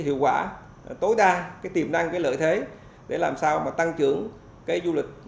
hiệu quả tối đa cái tiềm năng cái lợi thế để làm sao mà tăng trưởng cái du lịch